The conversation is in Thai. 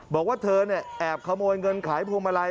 บอกว่าเธอเนี่ยแอบขโมยเงินขายภูมิลัย